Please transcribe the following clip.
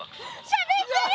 しゃべってる！